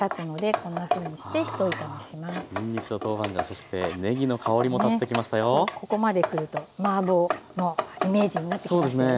ここまで来るとマーボーのイメージになってきましたよね。